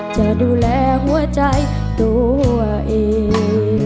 จะดูแลหัวใจตัวเอง